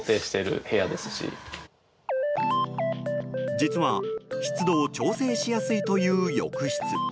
実は湿度を調整しやすいという浴室。